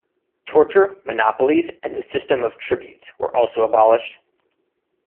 Torture, monopolies and the system of tributes were also abolished.